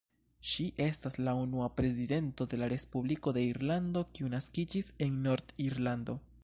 Ŝi estas la unua prezidento de la Respubliko de Irlando kiu naskiĝis en Nord-Irlando.